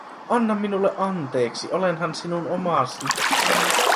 Anna minulle anteeksi, olenhan sinun omasi.